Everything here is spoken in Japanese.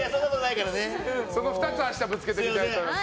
その２つを明日ぶつけてみたいと思います。